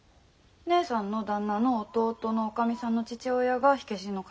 姉さんの旦那の弟のおかみさんの父親が火消しの頭。